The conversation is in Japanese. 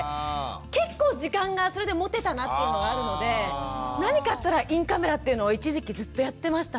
結構時間がそれで持てたなっていうのがあるので何かあったらインカメラっていうのを一時期ずっとやってましたね。